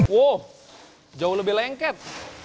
wow jauh lebih lengket